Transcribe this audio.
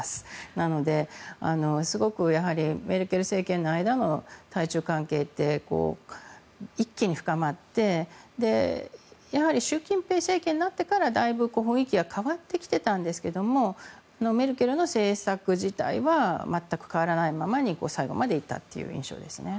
なのですごくメルケル政権の間の対中関係って一気に深まってやはり習近平政権になってからだいぶ雰囲気が変わってきていたんですけどメルケルの政策自体は全く変わらないままに最後まで行ったという印象ですね。